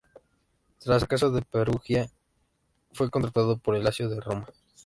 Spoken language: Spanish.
Tras el fracaso de Perugia, fue contratado por el Lazio de Roma.